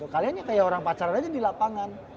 kaliannya kayak orang pacaran aja yang di lapangan